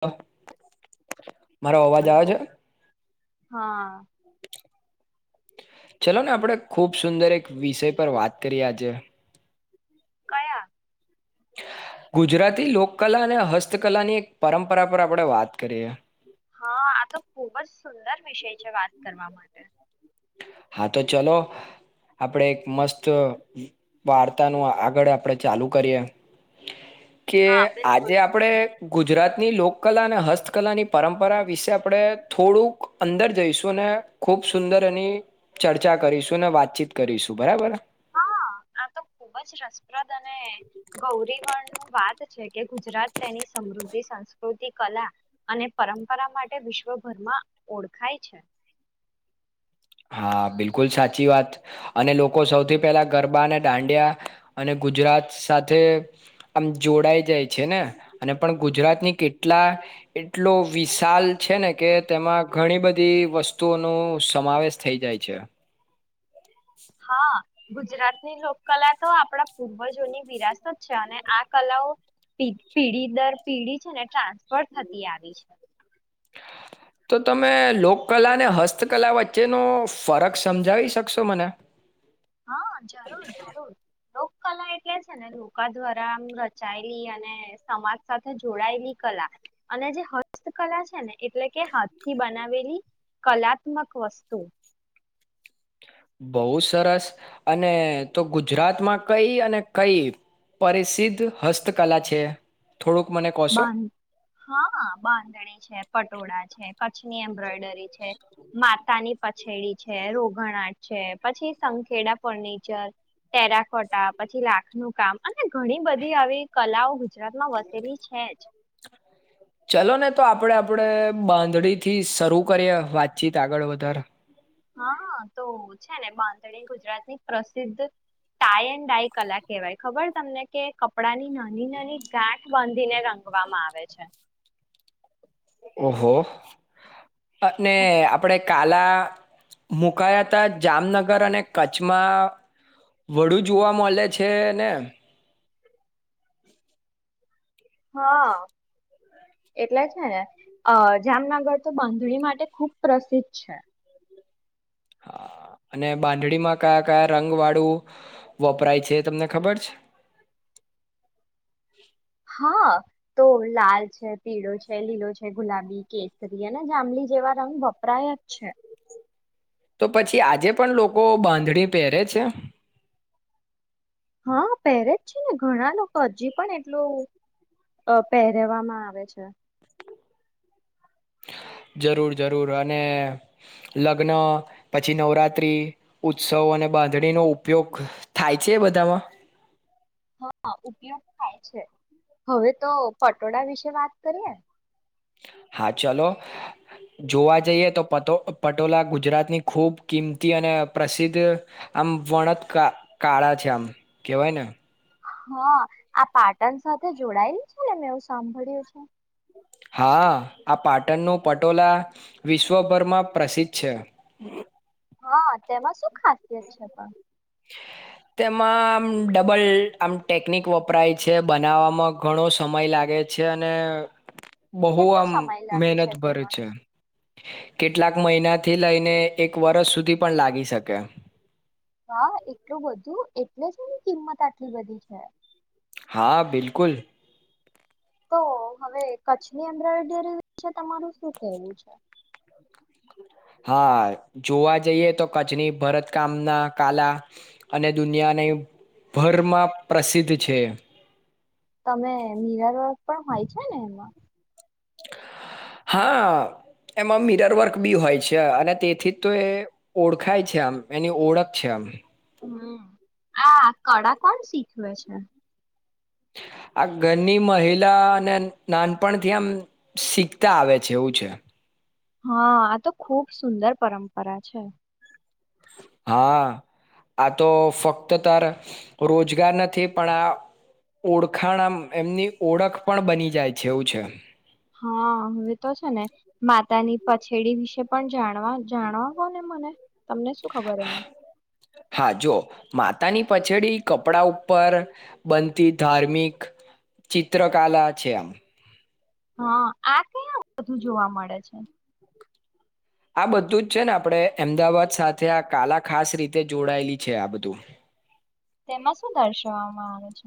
હા. મારો અવાજ આવે છે. હલો હા. ચલો ને આપણે ખુબ સુંદર એક વિષય પર વાત કરીએ આજે કયા ગુજરાતી લોકકલા અને હસ્તકલાની એક પરંપરા પર આપણેે વાત કરીએ હા આ તો ખુબ જ સુંદર વિષય છે વાત કરવા માટે હા તો ચલો આપડે એક મસ્ત વાર્તાનું આગળ આપડે ચાલુ કરીએ કે હા બિલકુલ આજે આપડે બિલકુલ ગુજરાત ની લોકકલા અને હસ્તકલાની પરંપરા વિષે આપણે થોડુંક અંદર જઈશું અને ખૂબ સુંદર ની ચર્ચા કરીશું વાતચીત કરીશું બરાબર હા આ તો ખૂબ જ રસપ્રદ અને ગૌરીવણ નું વાત છે કે ગુજરાત તેની સમૃદ્ધિ સંસ્કૃતિ કલા અને પરંપરા માટે વિશ્વભરમાં ઓળખાય છે હા બિલકુલ સાચી વાત અને લોકો સૌથી પહેલા ગરબા અને દાંડિયા અને ગુજરાત સાથે આમ જોડાઈ જાય છે ને અને પણ ગુજરાતની કેટલા એટલો વિશાલ છે ને કે તેમાં ઘણી બધી વસ્તુઓનો સમાવેશ થઈ જાય છે હા ગુજરાતની લોકકલા તો આપણા પૂર્વજોની વિરાસત છે અને આ કલાઓ પીઢી દર પીઢી છે ને ટ્રાન્સફર થતી આવી છે તો તમે લોકકલા અને હસ્તકલા વચ્ચેનો ફરક સમજાવી શકશો મને હા જરૂર જરૂર લોકકલા એટલે છે ને લોકા દ્વારામ રચાયેલી અને સમાજ સાથે જોડાયેલી કલા અને જે હસ્તકલા છે ને એટલે કે હાથ થી બનાવેલી કલાત્મક વસ્તુ બહુ સરસ અને તો ગુજરાતમાં કઈ અને કઈ પરિસિદ્ધ હસ્તકલા છે થોડુંક મને કહોશો બાંધ હા બાંધણી છે પટોળા છે ની એ્બ્રોડરી છે માતાની પછેડી છે રોઘણ આટ છે પછી સંખેડા ફર્નિચર ટેરાકોટા પછી લાખનું કામ અને ઘણી બધી આવી કલાઓ ગુજરાતમાં વસેલી છે જ ચલો ને તો આપડે આપણે બાંધડી થી શરૂ કરીએ વાતચીત આગળ વધારે હા તો છે ને બાંધણી ગુજરાત ની પ્રસિદ્ધ ટાઈ એન્ ડાય કલા કહેવાય ખબર તમને કે કપડાની નાની નાની ગાંઠ બાંધીને રંગવામાં આવે છે ઓહો અને આપડે કાલા મુકાયા હતા જામનગર અને કચ્છમાં વડુ જોવા મળે છે ને હા એટલે જ ને અ જામનગર તો બાંધણી માટે ખુબ પ્રસિદ્ધ છે હા અને બાંધડીમાં કયા કયા રંગ વાળું વપરાય છે તમને ખબર છે હા તો લાલ છે પીળો છે લીલો છે ગુલાબી કેસરી અને જાંમલી જેવા રંગ વપરાય જ છે તો પછી આજે પણ લોકો બાંધણી પહેરે છે હા પહેરે જ છે ને ઘણા લોકો હજી પણ એટલું પહેરવામાં આવે છે જરૂર જરૂર અને લગ્ન પછી નવરાત્રી ઉત્સવ અને બાંધણીનો ઉપયોગ થાય છે બધામાં હા ઉપયોગ થાય છે હવે તો પટોળા વિશે વાત કરીએ હા ચલો જોવા જઈએ તો પ પટોલાા ગુજરાતની ખૂબ કિંમતી અને પ્રસિદ્ધ આમ વણત કાળા છે આમ કેવાય ને હા આ પાટણ સાથે જોડાયેલ છેને મેં એવું સાંભળ્યું છે હા આ પાટણનું પટોલા વિશ્વભરમાં પ્રસિદ્ધ છે હા તેમાં શું ખાસિયત છે પણ તેમાં આમ ડબલ આમ ટેકનિક વપરાય છે બનાવવામાં ઘણો સમય લાગે છે અને બહુ કેટલો આમ સમય લાગી મહેનત શકે ભરે પણ છે કેટલાક મહિના થી લઈને એક વરષ સુધી પણ લાગી શકે હા એટલું બધું એ એટલે જ એની કિંમત આટલી બધી છે હા બિલકુલ તો હવે કચ્છની [unintelligible] વિશે તમારું શું કેવું છે હા જોવા જઈએ તો કચ્છની ભરત કામના કાલા અને દુનિયાની ભરમાં પ્રસિદ્ધ છે તમે [unintelligible] પણ હોય છે ને એમાં હા એમાં મિરર વર્ક ભી હોય છે અને તેથી તો એ ઓળખાય છે આમ એની ઓળખ છે આમ હમ આ કળા કોણ શીખવે છે આ ઘરની મહિલા અને નાનપણથી આમ શીખતા આવે છે એવું છે હા આ તો ખુબ સુંદર પરંપરા છે હા આ તો ફક્ત તારા રોજગાર નથી પણ આ ઓળખાણ એમની ઓળખ પણ બની જાય છે એવું છે હા હવે તો છે ને માતાની પછેડી વિશે પણ જાણવા જાણવા ને મને તમને શું ખબર એમ હા જો માતાની પછડી કપડા ઉપર બનતી ધાર્મિક ચિત્રકલા છે આમ હા આ કયા વધું જોવા મળે છે આ બધું જ છે ને આપણે અમદાવાદ સાથે આ કાલા ખાસ રીતે જોડાયેલી છે આ બધું તેમાં શું દર્શાવવામાં આ વે છે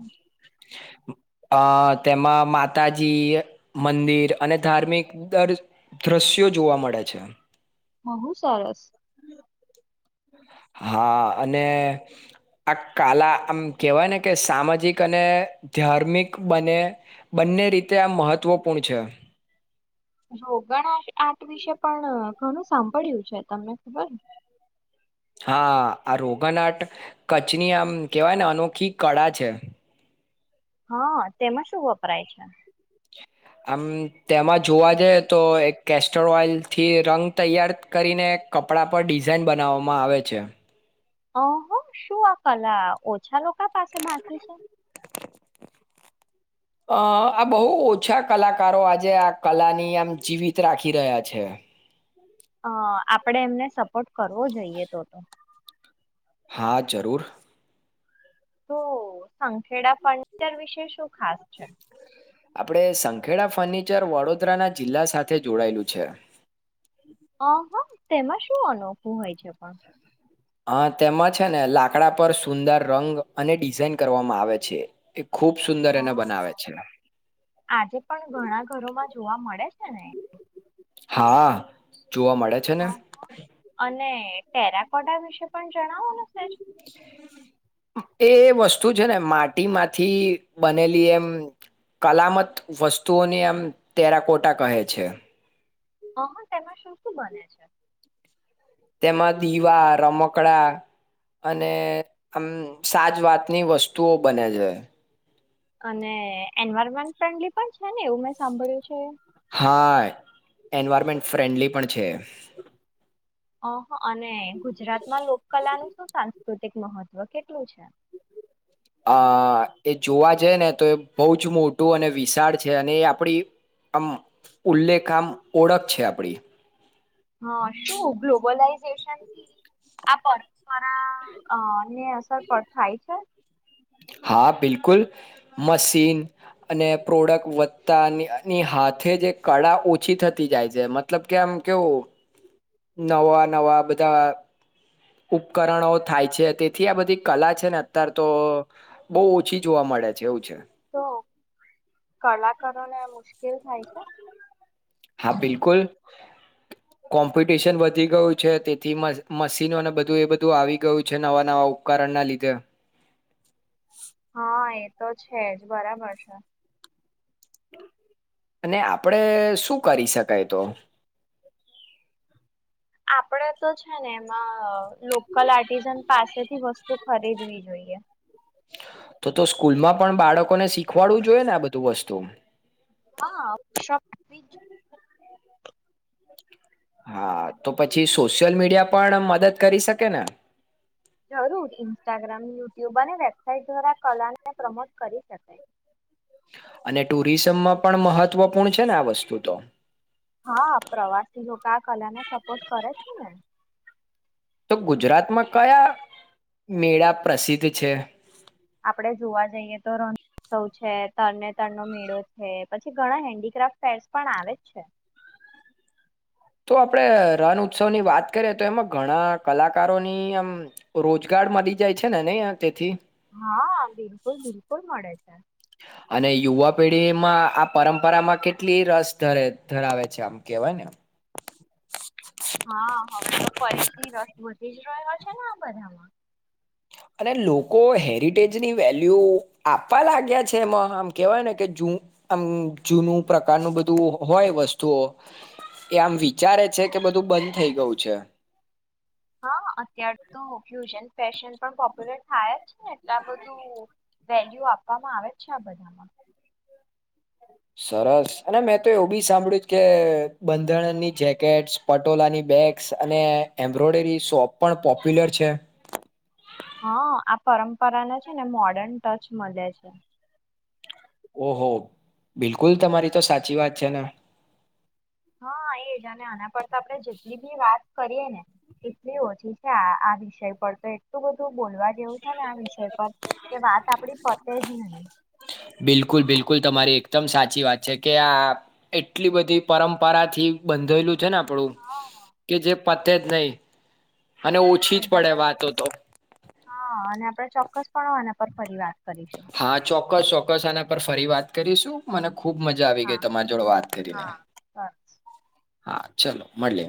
અ તેમાં માતાજી મંદિર અને ધાર્મિક દર દ્રશ્યો જોવા મળે છે બહુ સરસ હા અને આ કાલા આમ કહેવાય ને કે સામાજિક અને ધાર્મિક બને બંને રીતે આ મહત્વપૂર્ણ છે [unintelligible] આટ વિશે પણ ઘણું સાંભળ્યું છે તમને ખબર હા આ રોગન આર્ટ કચની આમ કેવાય ને અનોખી કળા છે હા તેમાં શું વપરાય છે આમ તેમાં જોવા જઈએ તો એક કેસ્ટર ઓઈલ થી રંગ તૈયાર કરીને કપડા પર ડિઝાાઈન બનાવવામાં આવે છે અહ શું આ કલા ઓછા લોકો પાસે બાકી છે અ આ બોઉ ઓછા કલાકારો આજે આ કલાની આમ જીવિત રાખી રહ્યા છે અ આપણેે એમને સપોર્ટ કરવો જોઈએ તો તો હા જરૂર તો સંખેડા ફર્નિચર વિષે શું ખાસ છે આપડે સંખેડા ફની ચર વડોદરાના જિલ્લા સાથે જોડાયેલું છે અ હ તેમાં શું અનોખું હોય છે પણ હા તેમાં છે ને લાકડા પર સુંદર રંગ અને ડિઝાઇન કરવામાં આવે છે ખૂબ સુંદર હ એને બનાવે છે આજે પણ ઘણા ઘરોમાં જોવા મળે છે ને હા જોવા મળે છે ને ને ટેરાકોટ વિશે પણ જણાવો એ વસ્તુ છે ને માટીમાંથી બનેલી એમ કલામત વસ્તુઓની એમ તેરાકોટા કહે છે હ તેમાં શું શું બને છે તેમાં દીવા રમકડા અને આમ સાજ વાતની વસ્તુઓ બને છે અને એન્વાયરમેન્ટ ફ્રેન્ડલી પણ છે ને એવું મેં સાંભળ્યું છે હા એન્વાયરમેન્ટ ફ્રેન્ડલી પણ છે ઓહ અને ગુજરાત માં લોક કલાનુંું શું સાંસ્ૃત સાકૃતિક મહત્વ કેટલું છે અ એ જોવા જઈ ને તો એ બહુ જ મોટું અને વિશાળ છે અને એ આપડી આમ ઉલ્લેખ આમ ઓળખ છે આપડી હા શું ગ્લોબલાઈઝ આ પરંપરા ને અસર થાય છે હા બિલકુલ મશીન અને પ્રોડક્ટ વધતાની હાથે જે કળા ઓછી થતી જાય છે મતલબ કે આમ કેવું નવા નવા બધા ઉપકરણો થાય છે તેથી આ બધી કલા છે ને અત્યારે તો બહુ ઓછી જોવા મળે છે છે તો કલાકારો ને મુશ્કેલ થાય છે હા બિલકુલ કોમ્પિટિશન વધી ગયું છે તેથી મશીનોને બધું એ બધું આવી ગયું છે નવા નવા ઉપકરણ ના લીધે હા એ તો છે જ બરાબર છે અને આપડે શું કરી શકાય તો આપડે તો છે ને એમાં લોકલ આર્ટિઝન પાસેથી વસ્તુ ખરીદવી જોઈએ તો તો સ્કૂલમાં પણ બાળકોને શીખવાડવું જોઈએ ને આ બધું વસ્તુ હા શોપ્રીજ હા તો પછી સોશિયલ મીડિયા પણ મદદ કરી શકે ને હું ઇન્સ્ટાગ્રામ ન યુબાની વેબસાાઈટ દ્વારા કલાને પ્રમોટ કરી શકાય અને ટુરિઝમમાં પણ મહત્વપૂર્ણ છે ને આ વસ્તુ તો હા પ્રવાસી લોકો આ કલા ને સપોર્ટ કરે છે ને તો ગુજરાતમાં કયા મેળા પ્રસિદ્ધ છે આપડે જોવા જઈએ તો રણોત્સવ છે તરને તરનોો મેળો છે પછી ઘણા હેન્ડીક્રાફ્ટ ફેર્સ પણ આવે જ છે તો આપણે રણ ઉત્સવની વાત કરીએ તો એમાં ઘણા કલાકારોની આમ રોજગાર મળી જાય છે ને નહીં તેથી હા બિલકુલ બિલકુલ મળે છે અને યુવા પેઢીમાં આ પરંપરામાં કેટલી રસ ધરે ધરાવે છે આમ કેહેવાય ને હા હવે તો ફરીથી રસ બ જ છે ને આ બધામાં અને લોકો હેરિટેજ ની વેલ્યુ આપવા લાગ્યા છે એમાં આમ કેવાય ને કે જ આમ જૂનું પ્રકારનું બધું હોય વસ્તુઓ એ આમ વિચારે છે કે બધું બંધ થઈ ગયું છે હા અત્યાર તો કયુ છે ફેશન પણ પોપ્યુલર થાય છે ને એટલા બધું વેલ્યુ આપવામાં આવે છે આ બધામાં સરસ અને મેં તો એવું બી સાંભળ્યું કે બંધણની જેકેટસ પટોલાની બેગ્સ અને એમ્બ્રોઈડરી શોપ પણ પોપ્યુલર છે હા આ પરંપરાને છે ને મોર્ડર્ન ટચ મળે છે ઓહો બિલકુલ તમારી તો સાચી વાત છે ને. હા એજ આના પર તો આપડણે જેટલી બી વાત કરીએ ને એટલી ઓછી છે આ આ વિષય પર તો એટલું બધું બોલવા એવું થ ને આ વિષય પર કે વાત આપડી પતે જ નહી. બિલકુલ બિલકુલ તમારી એકદમ સાચી વાત છે કે આ એટલી બધી પરંપરા થી બંધેલું જના પડું હા કે જે પત જ નહીં. અને ઓછી જ એજ પડે આપણે વાતો તો ચોક્કસપણો આના પર ફરી વાત કરીશું. ના પર ફરી વાત કરીશું મને ખુબ મજા આવી હા ગઈ તમારા જોડે વાત કરીને. હા સરસ હા ચાલો મળલે.